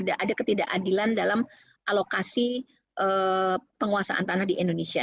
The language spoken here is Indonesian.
ada ketidakadilan dalam alokasi penguasaan tanah di indonesia